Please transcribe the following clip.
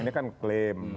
ini kan klaim